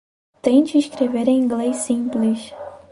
Tente escrever em inglês simples.